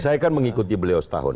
saya kan mengikuti beliau setahun